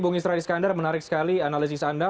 bung isra iskandar menarik sekali analisis anda